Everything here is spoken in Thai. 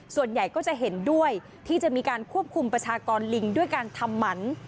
ส่วนใหญ่ก็จะเห็นด้วยที่จะมีการควบคุมประชากรลิงด้วยการทำหมัน